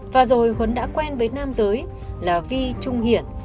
và rồi huấn đã quen với nam giới là vi trung hiển